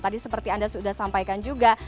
tadi seperti anda sudah sampaikan juga